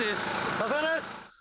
さすがです。